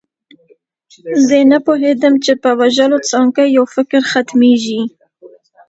زه نه پوهېدم چې په وژلو څنګه یو فکر ختمیږي